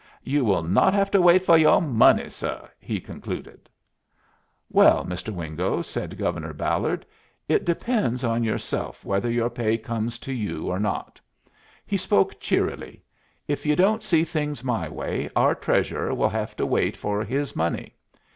"You'll not have to wait fo' yoh money, suh," he concluded. "Well, Mr. Wingo," said Governor Ballard, "it depends on yourself whether your pay comes to you or not." He spoke cheerily. "If you don't see things my way, our Treasurer will have to wait for his money."